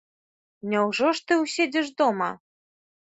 Няўжо ж ты ўседзіш дома?